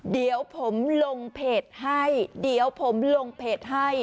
เดี๋ยวผมลงเพจให้เดี๋ยวผมลงเพจให้